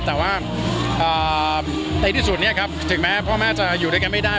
แต่ว่าในที่สุดถึงแม่พ่อแม่จะอยู่ด้วยกันไม่ได้